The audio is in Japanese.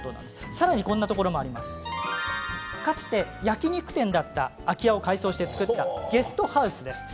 さらに、かつて焼き肉店だった空き家を改装して作ったゲストハウスです。